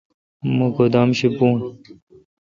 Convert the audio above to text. مہ گودام شی بھون۔